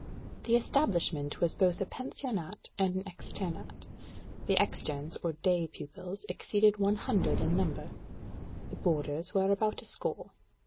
The establishment was both a pensionnat and an externat: the externes or day pupils exceeded one hundred in number; the boarders were about a score.